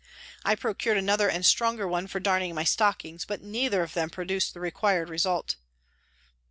I procured another and stronger one for darning my stockings, but neither of them produced the required result.